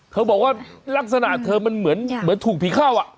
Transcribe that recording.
เขาบอกว่าลักษณะเธอมันเหมือนถูกผีเข้า